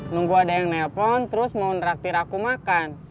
nunggu ada yang nelfon terus mau neraktir aku makan